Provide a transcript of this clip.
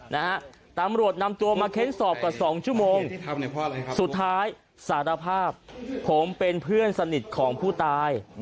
นะฮะตำรวจนำตัวมาเค้นสอบกว่าสองชั่วโมงสุดท้ายสารภาพผมเป็นเพื่อนสนิทของผู้ตาย